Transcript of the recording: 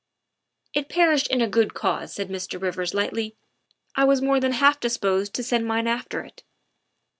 ''" It perished in a good cause," said Mr. Rivers lightly. " I was more than half disposed to send mine after it."